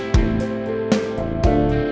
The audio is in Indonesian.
lo duluan aja deh